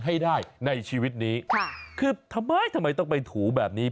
ให้ได้ในชีวิตนี้ค่ะคือทำไมทำไมต้องไปถูแบบนี้